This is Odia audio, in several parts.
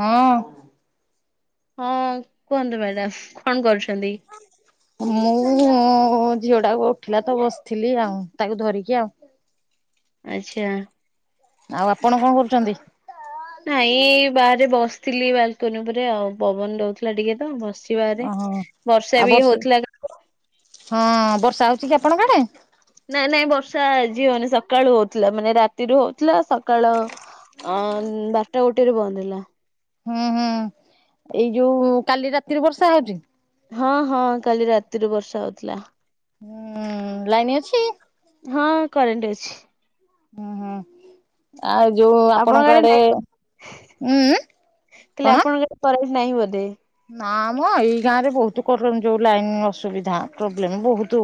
ହଁ। ହଁ କୁହନ୍ତୁ ମ୍ୟାଡ଼ାମ କଣ କରୁଛନ୍ତି? ମୁଁ ଝିଅ ଟା ଉଠିଲା ତ ବସିଥିଲି ଆଉ ତାକୁ ଧରିକି ଆଉ। ଆଚ୍ଛା। ଆଉ ଆପଣ କଣ କରୁଛନ୍ତି? ନାଇଁ ବାହାରେ ବସିଥିଲି ବାଲକନି ଉପରେ ଆଉ ପବନ ଦଉଥିଲା ଟିକେ ତ ବସି ବାହାରେ, ଓହୋ ବର୍ଷା ବି ହଉଥିଲା ହଁ। ବର୍ଷା ହଉଛି କି ଆପଣଙ୍କ ଆଡେ? ନାଇଁ ନାଇଁ ବର୍ଷା ଆଜି ହଉନି ସକାଳୁ ହଉଥିଲା ମାନେ ରାତିରୁ ହଉଥିଲା ସକାଳ ଅ ବାରଟା ଗୋଟେ ରେ ବନ୍ଦ ହେଲା। ହୁଁ ହୁଁ। ଏଇ ଯୋଉ କାଲି ରାତିରେ ବର୍ଷା ହଉଛି? ହଁ ହଁ କାଲି ରାତିରୁ ବର୍ଷା ହଉଥିଲା। ହୁଁ ଲାଇନ ଅଛି? ହଁ କରେଣ୍ଟ ଅଛି। ହୁଁ ହୁ। ଆଉ ଯୋଉ ଆପଣଙ୍କ ଆଡେ ଉଁ ଉଁ କଣ? କରେଜ ନାହି ବଧେ? ନା ମ ଏଇ ଗାଁ ରେ ବହୁତ କରେଣ୍ଟ ଯୋଉ ଲାଇନ ଅସୁବିଧା ପ୍ରୋବ୍ଲେମ ବହୁତ।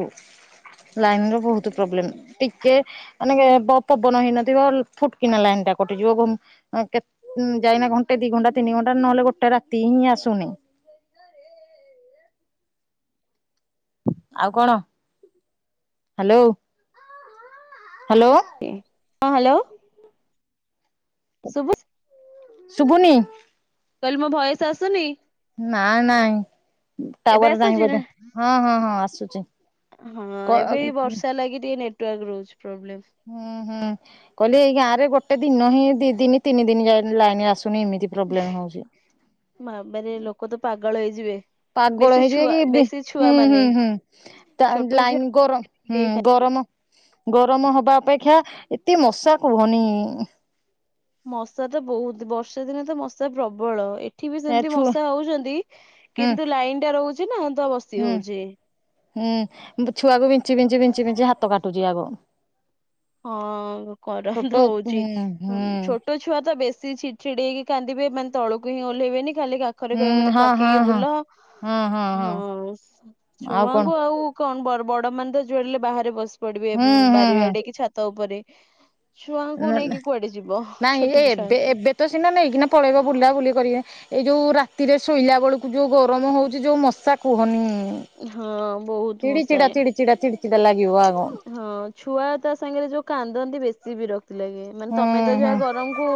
ଲାଇନ ର ବହୁତ ପ୍ରୋବ୍ଲେମ ଟିକେ ମାନେ କେ ପ ପବନ ହେଇନଥିବ ଫୁଟକିନା ଲାଇନ୍ ଟା କଟିଯିବ [unintelligible] ଅଁ କେତ ଉଁ ଯାଇନା ଘଣ୍ଟେ ଦି ଘଣ୍ଟା ତିନି ଘଣ୍ଟା ନହେଲେ ଗୋଟେ ରାତି ହିଁ ଆସୁନି। ଆଉ କଣ? Hello, hello. ହଁ ହ୍ୟାଲୋ ଶୁଭୁଚ ଶୁଭୁନି। କହିଲି ମୋ ଭଏସ ଆସୁନି? ନାଇ ନାଇଁ ଏବେ ଟାୱାର ନାହିଁ ଆସୁଛି ନା? ବୋଧେ। ହଁ ହଁ ହଁ ଆସୁଛି। ହଁ ଏବେ ହୁଁ ବର୍ଷା ଲାଗି ଟିକେ ନେଟୱାର୍କ ରହୁଛି ପ୍ରୋବ୍ଲେମ। ହୁଁ ହୁଁ କହିଲି ଏଇ ଗାଁ ରେ ଗୋଟେ ଦିନ ହିଁ ଦି ଦିନ ତିନି ଦିନ ଯାଇ ଲାଇନ ଆସୁନି ଏମିତି। ପ୍ରୋବ୍ଲେମ ହଉଛି। ମ ମାନେ ଲୋକ ତ ପାଗଳ ହେଇଯିବେ। ପାଗଳ ବେଶୀ ହେଇଯିବେ ଛୁଆ କି ବି, ବେଶୀ ଛୁଆ ହୁଁ ମାନେ। ହୁଁ ହୁଁ। ତା ଛୋଟ ଛୁଆ ଲାଇନ ଗରମ ହୁଁ ଦେଇ ଗରମ ଗରମ ହବା ଅପେକ୍ଷା ଏତେ ମଶା କୁହନି। ମଶା ତ ବହୁତ, ବର୍ଷା ଦିନେ ତ ମଶା ପ୍ରବଳ ଏ ଏଠି ବି ଏ ସେମିତି ଛୁ ମଶା ହଉଛନ୍ତି ହୁଁ କିନ୍ତୁ ଲାଇନ ଟା ରହୁଛି ନା ତ ବସି ହୁଁ ହଉଛି। ହୁଁ ଛୁଆକୁ ବିଞ୍ଚି ବିଞ୍ଚି ବିଞ୍ଚି ବିଞ୍ଚି ହାତ କାଟୁଛି ଆଗ। ହଁ କରେଣ୍ଟ ଛୋଟ ହୁଁ ହଉଚି, ହୁଁ ଛୋଟ ଛୋଟ ଛୁଆ ତ ବେଶୀ ଛି ଛିଡି ହେକି କାନ୍ଦିବେ, ମାନେ ତଳକୁ ହିଁ ଓହ୍ଲେଇବେନି ଖାଲି ପାଖରେ ହୁଁ କହି ମତେ ହଁ ହଁ କାଖେଇକି ହଁ। ବୁଲ, ହଁ ଆଉ କଣ ଛୁଆଙ୍କୁ ଆଉ କଣ ବଡ? ମାନେ ତ ଯୋଆଡେ ହେଲେ ବାହାରେ ବସି ପଡିବେ, ହୁଁ ହୁଁ ବାରି ହୁଁ। ଆଡେ କି ଛାତ ଉପରେ। ଛୁଆଙ୍କୁ ନେଇକି କୁଆଡେ ଯିବ? ନାଇଁ ଏ ଛୋଟ ଏବେ ଛୁଆଙ୍କୁ। ଏବେ ତ ସିନା ନେଇକିନା ପଳେଇବା ବୁଲା ବୁଲି କରିବେ। ଏଇ ଯୋଉ ରାତିରେ ଶୋଇଲା ବେଳକୁ ଯୋଉ ଗରମ ହଉଛି, ଯୋଉ ମଶା କୁହନି? ହଁ ବହୁତ ମଶାଏ। ଚିଡ଼ା ଚିଡି ଚିଡା ଲାଗିବ ଆଗ। ହୁଁ ହଁ ଛୁଆ ତା ସାଙ୍ଗରେ ଯୋଉ କାନ୍ଦନ୍ତି, ବେଶୀ ବିରକ୍ତି ଲାଗେ। ମାନେ ତମେ ତ ହୁଁ। ଯାହା ଗରମକୁ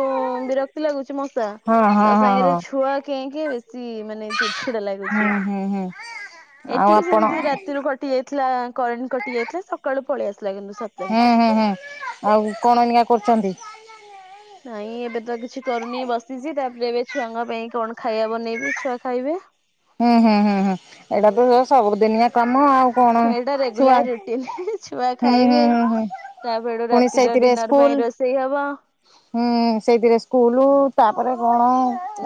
ବିରକ୍ତି ଲାଗୁଛି ମଶା ହଁ ହଁ ତା ହଁ ସାଙ୍ଗରେ ହଁ ଛୁଆ ଙ୍କେ ଙ୍କେ, ବେଶୀ ମାନେ ଚିଡ ଚିଡା ଲାଗୁଛି। ହୁଁ ହୁଁ ହୁଁ। ଆଉ ଏଠି ବି ଆପଣ ସେମିତି ରାତିରୁ କଟି ଯାଇଥିଲା କରେଣ୍ଟ କଟି ଯାଇଥିଲା, ସକାଳୁ ପଳେଇ ଆସି ହେଁ ହେଁ ହେଁ, ଆଉ କଣ ଏଇନା କରୁଛନ୍ତି? ନାଇଁ ଏବେ ତ କିଛି କରୁନି, ବସିଛି, ତାପରେ ଏବେ ଛୁଆଙ୍କ ପାଇଁ କଣ ଖାଇବା ବନେଇବି, ଛୁଆ ଖାଇବେ। ହେଁ ହେଁ ହେଁ ହେଁ, ଏଇଟା ତ ସବୁ ଦିନିଆ କାମ ଆଉ କଣ ଏଇଟା ଛୁଆ ରେଗୁଲାର ରୁଟିନ ହୁଁ ହୁଁ ହୁଁ ହୁଁ। ତାପରୁ ପୁଣି ରାତିର ସେଇଥିରେ ଡିନର ସ୍କୁଲ ପାଇଁ ରୋଷେଇ ହବ। ହୁଁ ସେଇଥିରେ ସ୍କୁଲ, ତାପରେ କଣ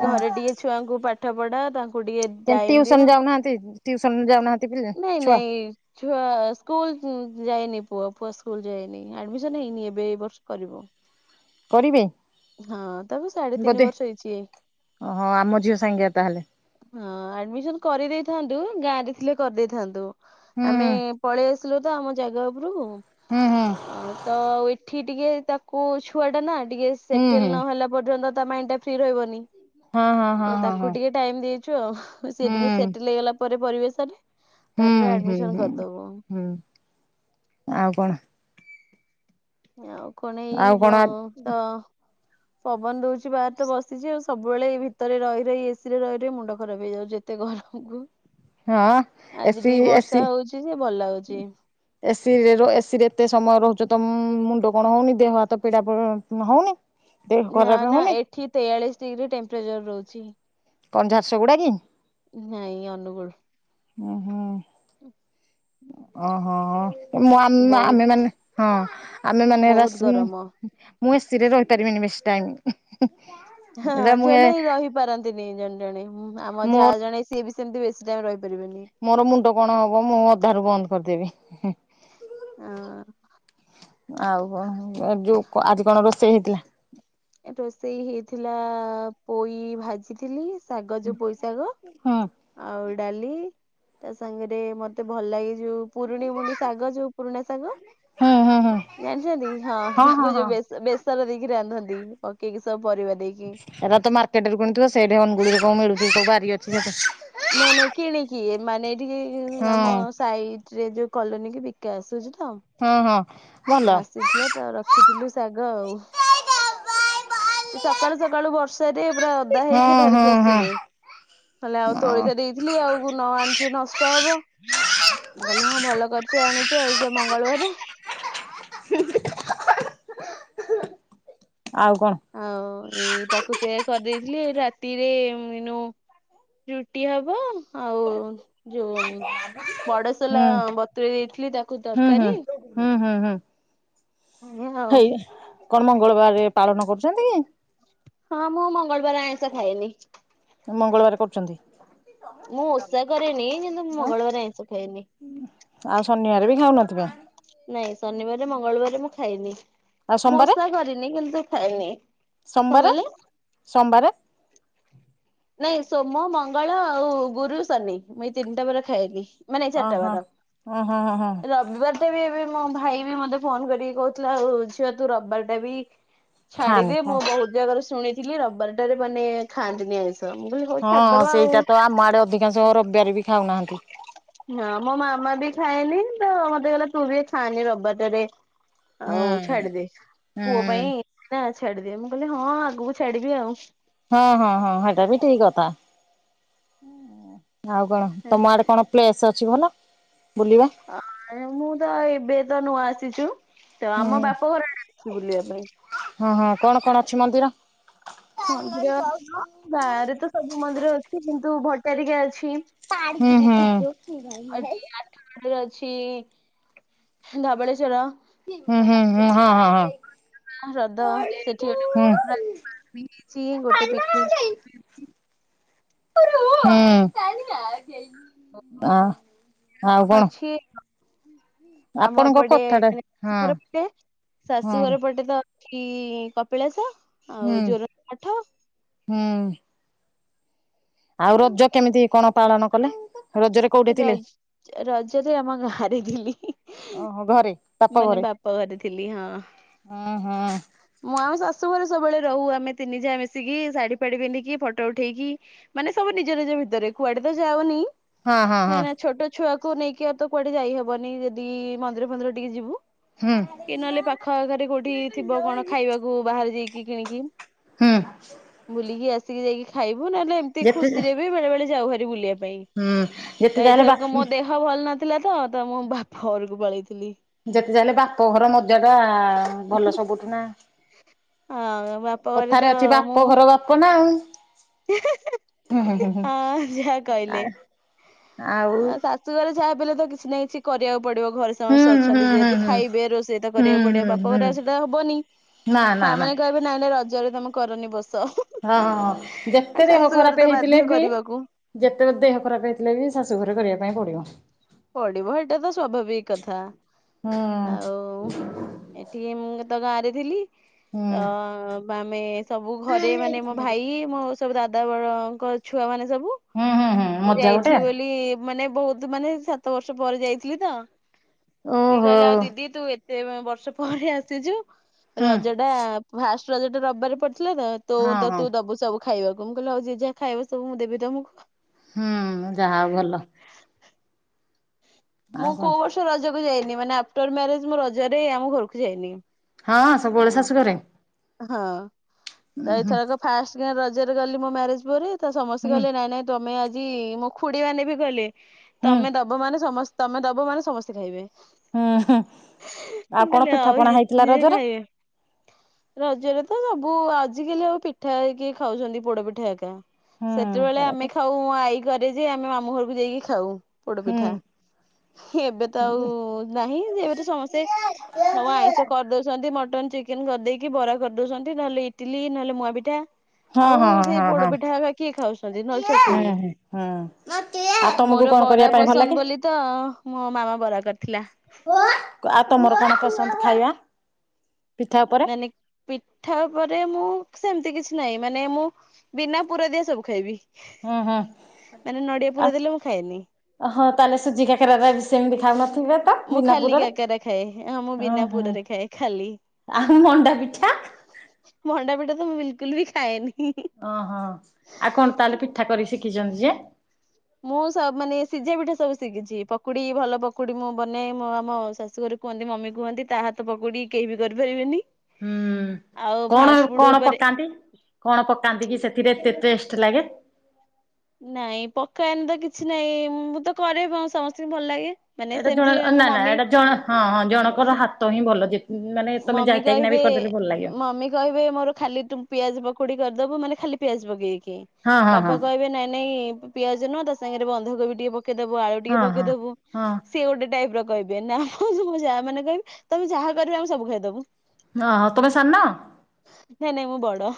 ଘରେ ଟିକେ ଛୁଆଙ୍କୁ ପାଠ ପଢା, ତାଙ୍କୁ ଟିକେ ସେମିତି ଟାଇମ ଦିଅ। ଟିଉସନ ଯାଉନାହାନ୍ତି, ଟିଉସନ ଯାଉନାହାନ୍ତି ପି ନାଇଁ ଛୁଆ। ନାଇଁ ଛୁଆ ସ୍କୁଲ ଯାଇନି ପୁଅ, ପୁଅ ସ୍କୁଲ ଯାଇନି, ଆଡମିସନ ହେଇନି ଏବେ ଏ ବର୍ଷ କରିବୁ। କରିବେ? ହଁ ତା କୁ ସାଢେ ତିନି ବର୍ଷ ହେଇଛି। ହଁ ଆମ ଝିଅ ସାଙ୍ଗରେ ତାହେଲେ। ହଁ ଆଡମିସନ କରିଦେଇଥାନ୍ତୁ, ଗାଁ ରେ ଥିଲେ କରିଦେଇଥାନ୍ତୁ, ହୁଁ ଆମେ ପଳେଇ ଆସିଲୁ ତ ଆମ ଜାଗା ଉପରକୁ। ହୁଁ ହୁଁ। ଅ ତ ଏଠି ଟିକେ ତାକୁ ଛୁଆ ଟା ନା, ଟିକେ ହୁଁ ହୁଁ ସେଟେଲ ନହେଲା ପର୍ଯ୍ୟନ୍ତ ତା ମାଇଣ୍ଡଟା ଫ୍ରି ରହିବନି। ହଁ ହଁ ହଁ ହଁ ହଁ। ଟାଇମ୍ ଦେଇଛୁ ଆଉ, ସିଏ ହୁଁ ଟିକେ ସେଟଲ ହେଇଗଲା ପରେ ପରିବେଶରେ ହୁଁ ତାପରେ ହୁଁ ଆଡମିସନ ହୁଁ କରିଦବୁ। ହୁଁ ଆଉ କଣ? ଆଉ କଣ ଏଇ ଆଉ ବ କଣ ତ [inaudible] ପବନ ଦଉଛି ବାହାରେ ତ ବସିଛି ଆଉ, ସବୁବେଳେ ଏଇ ଭିତରେ ରହି ରହି, ଏସି ରେ ରହି ରହି ମୁଣ୍ଡ ଖରାପ ହେଇଯାଉଛି। ଏତେ ଗରମ କୁ, ହଁ ଆଜି ଏସି ଟିକେ ବର୍ଷା ହଉଛି ଯେ ଭଲ ଲାଗୁଚି। ଏସି ରେ, ଏସି ରେ ଏତେ ସମୟ ରହୁଛ ତମ ମୁଣ୍ଡ କଣ ହଉନି, ଦେହ ହାତ ପୀଡା ହଉନି? ଦେହ ନା ଖରାପ ନା ହଉନି ଏଠି ତେୟାଳିଶ ଡିଗ୍ରୀ ଟେମ୍ପରେଚର ରହୁଛି। କଣ ଝାରସୁଗୁଡ଼ା କି? ନାଇଁ ଅନୁଗୁଳ। ହୁଁ ହୁଁ। ଓହୋ। ଆ ବହୁତ ଆମେମାନେ ହଁ ଆମେମାନେ [unintelligible] ବହୁତ ଆସିନୁ ଗରମ। [unintelligible] ମୁଁ ଏସିରେ ରହିପାରିବିନି ବେଶୀ ଟାଇମ। ହଁ ଏରା ମୁଁ ଏ ଜନେଇ ରହିପାରନ୍ତିନି ଜଣେ ଜଣେ ଆମ ମୋ ଯାହା ଜଣେ ସିଏ ବି ସେମତି ବେଶୀ ଟାଇମ ରହିପାରିବେନି। ମୋର ମୁଣ୍ଡ କଣ ହବ ମୁଁ ଅଧାରୁ ବନ୍ଦ କରିଦେବି। ହଁ। ଆଉ କଣ ଯୋଉ ଆଜି କଣ ରୋଷେଇ ହେଇଥିଲା? ରୋଷେଇ ହେଇଥିଲା ପୋଇ ଭାଜିଥିଲି। ଶାଗ ଯୋଉ ପୋଇଶାଗ ହୁଁ ଆଉ ଡାଲି ତା ସାଙ୍ଗେରେ ମତେ ଭଲ ଲାଗେ ଯୋଉ ପୁରୁଣି ମୁଣ୍ଡି ଶାଗ ଯୋଉ ପୁରୁଣା ଶାଗ ହୁଁ ହୁଁ ହୁଁ ଜାଣିଛନ୍ତି ହଁ ହଁ ତାକୁ ଯୋଉ ହଁ। ବେଶ ବେସର ଦେଇକି ରାନ୍ଧନ୍ତି ପକେଇକି ସବୁ ପରିବା ଦେଇକି। ଏରା ତ ମାର୍କେଟ ରୁ କିଣୁଥିବ ସେଇଠି ଅନୁଗୁଳରେ କୋଉ ମିଳୁଥିବ କୋଉ ବାରି ଅଛି ସେଠୀ। ନାଇଁ ନାଇଁ କିଣିକି ମାନେ ଏଇଠିକି ହଁ। ଆମ ସାଇଟ୍ ରେ ଯୋଉ କଲୋନୀ କି ବିକା ଆସୁଛି ତ। ହଁ ହଁ ଭଲ। [unintelligible] ଖିଥିଲୁ ଶାଗ ଆଉ। ଏଇ ସକାଳୁ ସକାଳୁ ବର୍ଷ ର୍ଷା ରେ ପୁରା ଓଦା ହଁ ହେଇକି ଧରିକି ହଁ ହଁ ଆସିଥିଲେ କହିଲେ ଆଉ ଅ ତୋଳିତ ଦେଇଥିଲି ଆଉ ନ ଆଣିଥିଲେ ନଷ୍ଟ ହବ। ମୁଁ କହିଲି ହଁ ଭଲ କରିଛ ଆଣିଛ ଆଜି ତ ମଙ୍ଗଳବାରେ। ଆଉ କଣ? ଆଉ ଇ ତାକୁ ସେ କରିଦେଇଥିଲି। ରାତିରେ ଏଇନୁ ରୁଟି ହବ। ଆଉ ଯୋଉ ବଡ଼ ସୋଲା ହୁଁ ବତୁୁରେଇ ଦେଇଥିଲି ତାକୁ ହୁଁ ହୁଁ ତରକାରୀ। ହୁଁ ହୁଁ ହୁଁ! ଏଇଆ ଆଉ। ହେଇବା କଣ ମଙ୍ଗଳବାରେ ପାଳନ କରୁଛନ୍ତି? ହଁ ମୁଁ ମଙ୍ଗଳବାରେ ଆଇଁଷ ଖାଏନି। ମଙ୍ଗଳବାର କରୁଛନ୍ତି? ମୁଁ ଓଷା କରେନି କିନ୍ତୁ, ମୁଁ ଆଉ ମଙ୍ଗଳବାର ଆଇଁଷ ଖାଇନି। ଆଉ ଶନିବାର ବି ଖାଉନଥିବେ? ନାଇଁ ଶନିବାର, ମଙ୍ଗଳବାର ମୁଁ ଖାଏନି। ଆଉ ମୁଁ ସୋମବାରେ ଓଷା କରିନି, କିନ୍ତୁ ଖାଇନି କଣ କହିଲେ? ସୋମବାର? ନାଇଁ ସୋମ, ମଙ୍ଗଳ ଆଉ ଗୁରୁ, ଶନି ମୁ ଏଇ ତିନିଟା ବରରେ ଖାଏନି। ମାନେ ଏ ଚାରିଟା ଓହୋ ବାର ଓ ହଁ ହଁ ହଁ ର ବିବାରଟା ବି ଏବେ ମୋ ଭାଇ ବି ମତେ ଫୋନ କରିକି କହୁଥିଲା। ଆଉ ଝିଅ ତୁ ରବିବାରଟା ବି ଖାଆନି ଛାଡ଼ିଦେ। ଖାଆ ମୁଁ ବହୁତ ଜାଗାରେ ଶୁଣିଥିଲି ରବିବାର ଟାରେ ମାନେ ଖାଆନ୍ତିନି ଆଇଁସ ମୁଁ କହିଲି ହଉ ହଁ ଛାଡିଦବା ଆଉ। ସେଇଟା ତ ଆମ ଆଡ଼େ ଅଧିକାଂଶ ରବିବାରେ ବି ଖାଉନାହାନ୍ତି। ହଁ ମୋ ମାମା ବି ଖାଏନି। ତ, ମତେ କହିଲା ତୁ ବି ଆଉ ଖାଆନି ରବିବାରଟା ରେ ହୁଁ ଆଉ ଛାଡ଼ିଦେ। ପୁଅ ହୁଁ ପାଇଁ ନା ଛାଡ଼ିଦେ ମୁଁ କହିଲି ହଁ ଆଗକୁ ଛାଡ଼ିବି ଆଉ। ହଁ ହଁ ହଁ! ହେଟା ବି ଠିକ୍ କଥା। ଆଉ କଣ ତମ ଆଡ଼େ କଣ? ପ୍ଲେସ୍ ଅଛି ଭଲ ବୁଲିବା? ମୁଁ ତ ଏବେ ତ ନୂଆ ଆସିଛୁ। ତ ହୁଁ ଆମ ବାପ ଘର ଆଡ଼େ ଅଛି ବୁଲିବା ପାଇଁ। ହଁ ହଁ କଣ କଣ ଅଛି ମନ୍ଦିର? ମନ୍ଦିର ହଁ ଗାଁରେ ତ ସବୁ ମନ୍ଦିର ଅଛି କିନ୍ତୁ ଭଟାରିକା ଅଛି। ହୁଁ ହୁଁ। ମନ୍ଦିର ଅଛି ଧବଳେଶ୍ୱର। ହୁଁ ହୁଁ ହୁଁ ହଁ ହଁ ହଁ! ହ୍ରଦ ସେଠୀ ଗୋଟେ ୱାଟର ହୁଁ ପାର୍କ ପାର୍କ ବି ହେଇଛି ଗୋଟେ ପିକନିକ୍ ସ୍ପଟ୍ ହୁଁ! ଆ ଆଉ କଣ? [unintelligible] ଆମ ଆପଣଙ୍କ ଏପଟେ କଥାଟା ହଁ ପଟେ ହଁ ଶାଶୁଘର ପଟେ ତ ଏଠି କପିଳାସ ଆଉ ଯୋରନ୍ଦା ମଠ ହଁ। ଆଉ ରଜ କେମିତି କଣ ପାଳନ କଲେ ରଜରେ କୋଉଠି ଥିଲେ ରଜ ରଜରେ ଆମ ଗାଁରେ ଥିଲି। ଓହୋ ଘରେ? ବାପ ମାନେ ଘରେ? ବାପା ଘରେ ଥିଲି ହଁ। ହଁ ହଁ ମୁଁ ଆଉ ଶାଶୁ ଘରେ ସବୁବେଳେ ରହୁ ଆମେ ତିନି ଯାଆ ମିଶିକି ଶାଢୀ ପାଢୀ ପିନ୍ଧିକି ଫଟୋ ଉଠେଇକି ମାନେ ସବୁ ନିଜ ନିଜ ଭିତରେ କୁଆଡେ ତ ଯାାଉନି। ହଁ ହଁ କାହିଁକ ହଁ ନା ଛୋଟ ଛୁଆକୁ ନେଇକି ଆଉ ତ କୁଆଡେ ଯାଇହବନି ଯଦି ମନ୍ଦିର ଫନ୍ଦିର ଟିକେ ଯିବୁ। ହୁଁ କି ନହେଲେ ପାଖ ଆଖରେ କୋଉଠି ଥିବ କଣ ଖାଇବାକୁ ବାହାରେ ଯାଇକି କିଣିକି। ହୁଁ। ବୁଲିକି ଆସିକି ଯାଇକି ଖାଇବୁ ନହେଲେ ଏମିତି ଯେତେ ଖୁସିରେ ବିି ବେଳେ ବଳେ ଯାଉ ହାରି ବୁଲିବା ପାଇଁ। ହୁଁ ଯେତେ ତ ଯାହେଲେ ବା ଏଥରକ ମୋ ଦେହ ଭଲ ନଥିଲା ତ ତ ମୁଁ ବାପା ଘରକୁ ପଳେଇଥିଲି। ଯେତେ ଯାହା ହେଲେ ବାପଘର ମଜା ଟା ଭଲ ସବୁଠୁ ନା ହଁ ବାପ ଘରେ ତ କଥାରେ ଅଛି ବାପ ଘର ବାପ ନା ଆଉ। ହେଁ ହେଁ ହୁଁ ହୁଁ ହୁଁ ହୁଁ। ହେଁ ହଁ ଯାହା ଆ କହିଲେ ଆଉ ଶା ଶାଶୁ ଘରେ ଯାହା ବି ହେଲେ ତ କିଛି ନା କିଛି କରିବାକୁ ପଡିବ ଘର ହୁଁ ସମସ୍ତେ ହୁଁ ଅଛନ୍ତି ହୁଁ ଯେହେତୁ ହୁଁ। ଖାଇବେ ରୋଷେଇ ତ ହୁଁ କରିବାକୁ ପଡିବ ହୁଁ ବାପା ଘରେ ହୁଁ ଆଉ ସେଇଟା ହବନି। ନା ନା। ସେ ନା ମାନେ କହିବେ ନାଇ ନାଇ ରଜରେ ତମେ କରନି ବସ ହୁଁ ହଁ ହୁ ଯେତେ ଦେହ ଖରାପ୍ ହେଇଥିଲେ ବାଧ୍ୟ ବି କରିବାକୁ। ଯେତେବେଳେ ଦେହ ଖରାପ୍ ହେଇଥିଲେ ବି ଶାଶୁ ଘରେ କରିବା ପାଇଁ ପଡିବ। ପଢିବ ହେଟା ତ ସ୍ୱଭାବିକ କଥା। ହୁଁ। ଆଉ ଏଠି କେ ମୁଁ ତ ଗାଁରେ ଥିଲି ହୁଁ ତ ବା ଆମେ ସବୁ ଘରେ ମାନେ ମୋ ଭାଇ ମୋ ସବୁ ଦାଦା ବଡଙ୍କ ଛୁଆ ମାନେ ସବୁ। ହୁଁ ହୁଁ ହୁଁ ମୁଁ ମଜା ଗୋଟେ। ଯାଇଥିଲି ବୋଲି ମାନେ ବହୁତ ମାନେ ସାତ ବର୍ଷ ପରେ ଯାଇଥିଲି ତ। ସିଏ ଓହୋ କହିଲା ଆଉ ଦିଦି ତୁ ଏତେ ବର୍ଷ ପରେ ଆସିଛୁ ହୁଁ ରଜ ଦା ଫାଷ୍ଟ ରଜ ଟା ରବିବାରେ ପଡିଥିଲା ତ ତୁ ହଁ ତ ହଁ। ତୁ ଦବୁ ସବୁ ଖାଇବାକୁ ମୁଁ କହିଲି ହଉଛି ଯିଏ ଯାହା ଖାଇବ ସବୁ ମୁଁ ଦେବି ତମକୁ। ହୁଁ ଯାହା ହଉ ଭଲ। ମୁଁ ଆଉ କଣ କୋଉ ବର୍ଷ ରଜକୁ ଯାଇନି ମାନେ ଆଫ୍ଟର ମ୍ୟାରେଜ ମୁଁ ରଜ ରେ ଆମ ଘରକୁ ଯାଇନି। ହଁ ଅ ସବୁବେଳେ ଶାଶୁ ଘରେ? ହଁ ହଁ ତ ଉଁ ହୁଁ। ଏଥରକ ଫାର୍ଷ୍ଟ କିଆଁ ରଜରେ ଗଲି ମୋ ମ୍ୟାରେଜ ପରେ ତ ସମସ୍ତେ ହୁଁ ଗଲେ ନାଇଁ ନାଇ ତମେ ଆଜି ମୋ ଖୁଡି ମାନେ ବି କହିଲେ ହୁଁ ତମେ ଦବ ମାନେ ସମସ୍ ତମେ ଦବ ମାନେ ସମସ୍ତେ ଖାଇବେ। ହୁଁ ହୁଁ ଆଉ ମୁଁ କଣ କହିଲି ହଉ ପିଠାପଣା ଜେତ ହେଇଥିଲା ଯିଏ ରଜରେ? ଖାଇବେ। ରଜରେ ତ ସବୁ ଆଜିକାଲି ଆଉ ପିଠା ହେରିକା ଖାଉଛନ୍ତି ପୋଡପିଠା ଏକା। ହୁଁ ସେତେବେଳେ ସେଟା ତ ଆମେ ଖାଉ ଆଈ ଘରେ ଯେ ଆମେ ମାମୁଁ ଘରକୁ ଯାଇକି ଖାଉ ପୋଡ ହୁଁ ପିଠା। ଏବେ ତ ଆଉ ନାହିଁ ଏବେ ତ ସମସ୍ତେ ସବୁ ଆଇଁଷ କରିଦଉଛନ୍ତି ମଟନ ଚି ଚିକେନ କରିଦେଇକି ବରା କରିଦଉଛନ୍ତି ନହେଲେ ଇଟିଲି ନହେଲେ ମୁଆଁ ପିଠା। ହଁ ଆଉ ହଁ ହଁ ସେଇ ହଁ ହଁ। ପୋଡପିଠା ହେରା କିଏ ଖାଉଛନ୍ତି ନହେଲେ ହୁଁ ଚକୁଳି। ହୁଁ ହୁଁ ଆଉ ତମକୁ ମୋର କଣ କରିବା ବରା ପାଇଁ ଭଲ ପସନ୍ଦ ଲାଗେ? ବୋଲି ତ ମୋ ମାମା ବରା କରିଥିଲା। ଆଉ ତମର କଣ ପସନ୍ଦ ଖାଇବା? ପିଠା ଉପରେ ମାନେ ପିଠା ଉପରେ ମୁଁ ସେମିତି କିଛି ନାହିଁ ମାନେ ମୁଁ ବିନା ପୁର ଦିଆ ସବୁ ଖାଇବି। ହଁ ହଁ ମାନେ ନଡିଆ ପୁର ଦେଲେ ମୁଁ ଖାଏନି। ଆଉ। ହିଁ ତାହଲେ ସୁଜି କାକରାରା ବି ସେମିତି ଖାଉନଥିବୁ? ମୁଁ ଖାଲି କାକେରା ଖାଏ ହଁ ମୁଁ ବିନା ଓହୋ ପୁରରେ ଖାଏ ଖାଲି। ଆଉ ମଣ୍ଡା ପିଠା ମଣ୍ଡା ପିଠା ତ ମୁଁ ବିଲକୁଲ ବି ଖାଏନି। ଅଁହଁ ଆଉ କଣ ତାହେଲେ ପିଠା କରିକି ଶିଖିଚନ୍ତି ଯେ? ମୁଁ ସ ମାନେ ସିଝା ପିଠା ସବୁ ଶିକିଚି ପକୁଡି ଭଲ ପକୁଡି ମୁଁ ବନାଏ ମୁଁ ଆମ ଶାଶୁଘର କୁହନ୍ତି ମମି କୁହନ୍ତି ତା ହାତ ପକୁଡି କେହି ବି କରିପାରିବେନି। ହୁଁ ଆଉ କଣ ଫାଷ୍ଟ ଫୁଡ କଣ ଉପରେ ପକାନ୍ତି? କଣ ପକାନ୍ତି କି ସେଥିରେ ଏତେ ଟେଷ୍ଟ ଲାଗେ? ନାଇଁ ପକାଏନି ତ କିଛି ନାଇଁ ମୁଁ ତ କରେ ବ ସମସ୍ତିଙ୍କି ଭଲ ଲାଗେ। ମାନେ ଏଇଟା ଜଣେ ସେମିତି ଅ ନା ଆମ ନା ମମି ଏଇଟା ଜଣେ ହଁ ହଁ ଜଣଙ୍କର ହାତ ହିଁ ଭଲ ଯେ ମାନେ ତମେ ମମି ଯାଇତାଇକିନା କହିବେ ବି କରିଦେଲେ ଭଲ ଲାଗିବ ମମି କହିବେ ମୋର ଖାଲି ତୁ ପିଆଜ ପକୁଡି କରିଦୋବୁ ମାନେ ଖାଲି ପିଆଜ ପକେଇକି ହଁ ହଁ ହଁ ବାପା କହିବେ ନାଇଁ ନାଇଁ ପିଆଜ ନୁହଁ ତା ସାଙ୍ଗରେ ବନ୍ଧାକୋବି ଟିକେ ପକେଇଦୋବୁ ଆଳୁ ଟିକେ ହଁ ପକେଇଦୋବୁ। ହଁ ସିଏ ଗୋଟେ ଟାଇପର କହିବେ ନାଇମ ସବୁ ଯାଆମାନେ କହିବେ ତମେ ଯାହା କରିବ ଆମେ ସବୁ ଖାଇଦୋବୁ। ହଁ ହଁ ତମେ ସାନ? ନାଇ ନାଇ ମୁଁ ବଡ।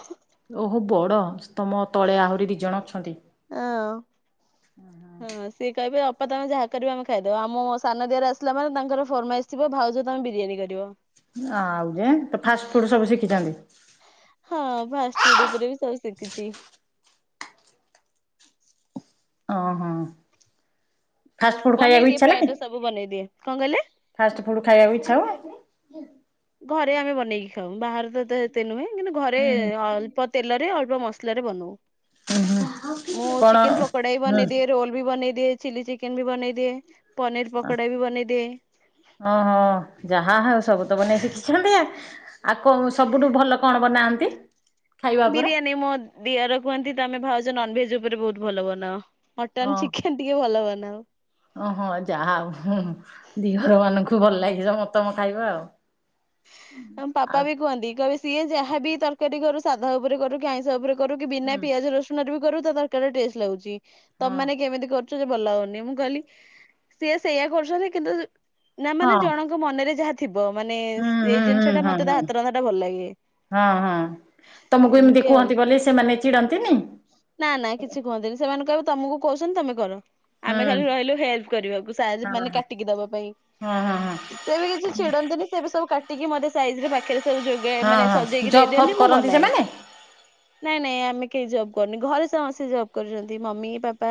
ଓହୋ ବଡ ତମ ତଳେ ଆହୁରି ଦି ଜଣ ଅଛନ୍ତି। ଏଅଁ। ହଁ ସିଏ କହିବେ ଅପା ତମେ ଯାହା କରିବ ଆମେ ଖାଇଦବୁ ଆମ ସାନ ଦିଅର ଆସିଲା ମାନେ ତାଙ୍କର ଫର୍ମାଇଶ୍ ଆସିବ ଭାଉଜ ତମେ ବିରିୟାନୀ କରିବ। ଆଉ ଯେ ତ ଫାଷ୍ଟଫୁଡ ସବୁ ଶିଖିଚନ୍ତି? ହଁ ଫାଷ୍ଟଫୁଡ ଉପରେ ବି ସବୁ ଶିଖିଚି। ଅହଁ ମୁଁ ଫାଷ୍ଟଫୁଡ ବନେଇ ଖାଇବାକୁ ଦିଏ ଇଚ୍ଛା ପ୍ରାୟତଃ ଲାଗେ? ସବୁ ବନେଇ ଦିଏ କଣ କହିଲେ? ଫାଷ୍ଟଫୁଡ ଖାଇବାକୁ ଇଚ୍ଛା ହୁଏ? ଘରେ ଆମେ ବନେଇକି ଖାଉ ବାହାରେ ତ ଏତେ ହେତେ ନୁହେଁ କିନ୍ତୁ ଘରେ ହୁଁ ହୁଁ ଅଲ୍ ଅଳ୍ପ ତେଲରେ ଅଳ୍ପ ମସଲାରେ ବନୋଉ। ହୁଁ ହୁଁ ମୁଁ କଣ ଚିକେନ ପକଡା ବି ବନେଇଦିଏ, ହୁଁ ରୋଲ ବି ବନେଇ ଦିଏ। ଚିଲି ଚିକେନ ବି ବନେଇଦିଏ, ପନିର ପକଡ଼ା ବି ବନେଇ ଦିଏ। ଓହୋ ଯାହା ହେଉ ସବୁ ତ ବନେଇ ଶିଖିଛନ୍ତି ଆ। ଆଉ କୋଉ ସବୁଠୁ ଭଲ କଣ ବନାନ୍ତି? ଖାଇବା ଉପରେ? ବିରିୟାନୀ ମୋ ଦିଅର କୁହନ୍ତି ତମେ ଭାଉଜ ନନଭେଜ ଉପରେ ବୋହୁତ ଭଲ ବନାଅ ମଟନ, ହଁ ଚିକେ ଟିକେ ଭଲ ବନାଉ। ଓହୋ ଯାହା ହୁଁ ଦିଅରମାନଙ୍କୁ ଭଲ ଲାଗେ ସମ ତମ ଖାଇବା ଆଉ। ଆମ ପାପା ଆଉ ବି କୁହନ୍ତି କହିବେ ସିଏ ଯାହାବି ତରକାରୀ କରୁ ସାଧା ଓପରେ କରୁ ଆଇଁଷ ଓପରେ କରୁ କି ବିନା ହୁଁ ପିଆଜ ରସୁଣରେ ବି କରୁ ତା ତରକାରୀଟା ଟେଷ୍ଟ ଲାଗୁଚି ହଁ ତମେମାନେ କେମିତି କରୁଚ ଯେ ଭଲ ଲାଗୁ ନି ମୁଁ କହିଲି ସିଏ ସେୟା କରୁଛନ୍ତି କିନ୍ତୁ ନା ମାନେ ହଁ। ଜଣଙ୍କ ମନରେ ଯାହା ଥିବ ମାନେ ହୁଁ ହୁଁ ଏଇ ଜିନିଷ ଟା ହଁ ମତେ ତା ହୁଁ ହାତ ରନ୍ଧା ଟା ଭଲ ଲାଗେ। ହଁ ହଁ। ତମୁକୁ ଏମିତି କୁହନ୍ତି ବୋଲି ସେମାନେ ଚିଡନ୍ତିନି। ନା ନାଇ କିଛି କୁହନ୍ତିନି ସେମାନେ କହିବେ ତମକୁ କହୁଛନ୍ତି ତମେ କର। ହୁଁ ଆମେ ଖାଲି ରହିଲୁ ହେଲପ୍ କରିବାକୁ ସାହାଯ୍ୟ ହଁ ମାନେ ହଁ। କାଟିକି ଦବା ପାଇଁ। ହଁ ହଁ ହଁ ସିଏ ବି କିଛି ଛିଡନ୍ତିନି ସିଏ ବି ସବୁ କାଟ୍ ମତେ ସାଇଜରେ ପାଖେରେ ସବୁ ଯୋଗା ହଁ ମାନେ ହଁ ସଜେଇକି ଜବ୍ ଦେଇ ଫବ୍ ଦିଅନ୍ତି ମୁଁ କରନ୍ତି ବନାଏ। ସେମାନେ? ନାଇଁ ନାଇଁ ଆମେ କେହି ଜବ୍ କରୁନି ଘରେ ସେ ହଁ ସେ ଜବ୍ କରୁଚନ୍ତି ମମି, ପାପା।